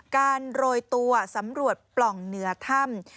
โรยตัวสำรวจปล่องเหนือถ้ำ